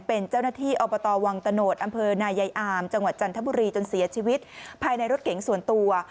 เป็นเจ้าหน้าที่อบตวังตะโนธอำเภอนายายอามจังหวัดจันทบุรีจนเสียชีวิตภายในรถเก๋งส่วนตัว